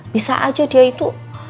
bisa aja dia itu